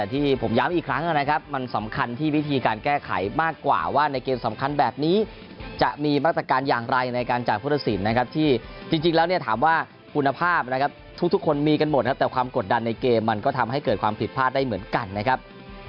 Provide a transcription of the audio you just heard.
ที่ผมย้ำอีกครั้งนะครับมันสำคัญที่วิธีการแก้ไขมากกว่าว่าในเกมสำคัญแบบนี้จะมีมาตรการอย่างไรในการจ่ายผู้ตัดสินนะครับที่จริงแล้วเนี่ยถามว่าคุณภาพนะครับทุกคนมีกันหมดนะครับแต่ความกดดันในเกมมันก็ทำให้เกิดความผิดพลาดได้เหมือนกันนะครับ